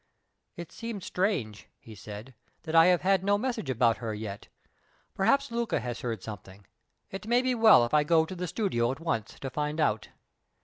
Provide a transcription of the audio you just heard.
"It seems strange," he said, "that I have had no message about her yet. Perhaps Luca has heard something. It may be well if I go to the studio at once to find out."